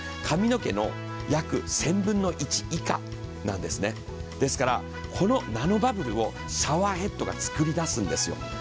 髪の毛の約１０００分の１以下なんですね。ですからこのナノバブルをシャワーヘッドが作り出すんですよ。